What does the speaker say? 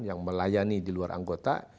yang melayani di luar anggota